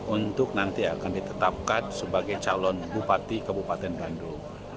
untuk nanti akan ditetapkan sebagai calon bupati kabupaten bandung